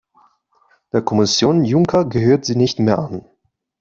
Der Kommission Juncker gehört sie nicht mehr an.